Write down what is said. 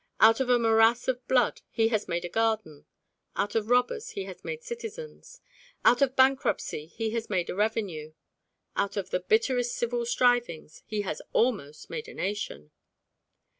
Out of a morass of blood he has made a garden: out of robbers he has made citizens: out of bankruptcy he has made a revenue: out of the bitterest civil strivings he has almost made a nation.